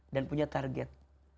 dan punya target